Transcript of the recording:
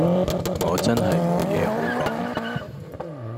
我真係冇嘢好講